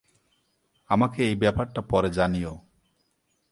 আমাকে এই ব্যাপারটা পরে জানিয়ো।